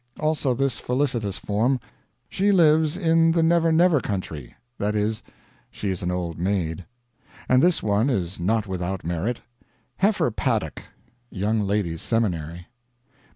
Also this felicitous form: "She lives in the Never never Country" that is, she is an old maid. And this one is not without merit: "heifer paddock" young ladies' seminary.